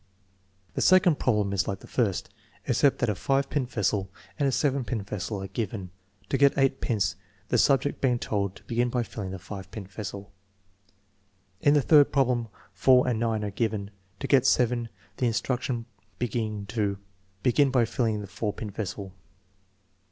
The second problem is like the first, except that a 5 pint vessel and a 7 pint vessel are given, to get 8 pints, the subject being told to begin by filling the 5 pint vessel. In the third problem 4 and 9 are given, to get 7, the in struction being to " begin by filling the 4 pint vessel."